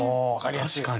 確かに。